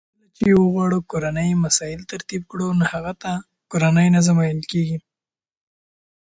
کله چی وغواړو کورنی مسایل ترتیب کړو نو هغه ته کورنی نظام وای .